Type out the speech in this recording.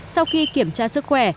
sau khi kiểm tra sức khỏe